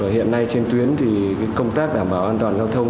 hiện nay trên tuyến thì công tác đảm bảo an toàn giao thông